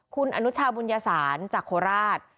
คุณอนุชาบุญญสารจากโคราช